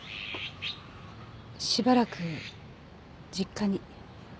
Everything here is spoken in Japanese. しばらく実家に。